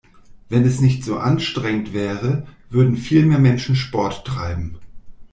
Wenn es nicht so anstrengend wäre, würden viel mehr Menschen Sport treiben.